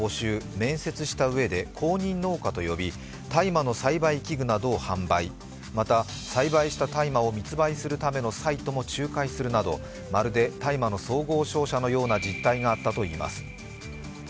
面接したうえで公認農家と呼びまた、栽培した大麻を密売するためのサイトも仲介するなどまるで大麻の総合商社のような実態があったといいます。